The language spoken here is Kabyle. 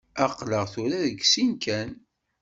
Aql-aɣ tura deg sin kan.